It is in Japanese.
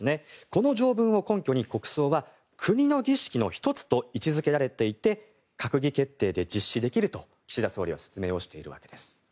この条文を根拠に国葬は国の儀式の１つと位置づけられていて閣議決定で実施できると岸田総理は説明をしているわけです。